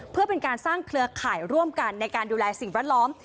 เพื่อเป็นการสร้างเครือข่ายร่วมกันในการดูแลสิ่งแวดล้อม